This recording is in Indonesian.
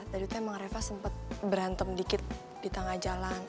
tadi tuh emang reva sempet berantem dikit di tangga jalan